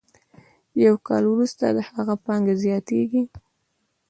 یو کال وروسته د هغه پانګه زیاتېږي